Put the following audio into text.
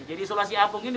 jadi isolasi apung ini